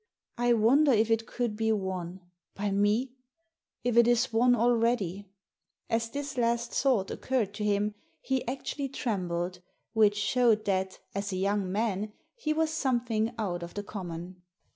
" I wonder if it could be won ? By me ? If it is won already ?" As this last thought occurred to him he actually trembled, which showed that, as a young man, he was something out of the common.